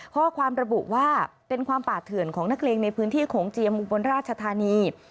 ข้อความระบุว่าเป็นความป่าเถื่อนของนักเลงในพื้นที่โขงเจียมอุบลราชธานี